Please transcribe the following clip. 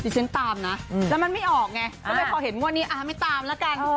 อยู่เฉยตามนะแล้วมันไม่ออกไงก็ไปพอเห็นงวดนี้อ่าไม่ตามละกัน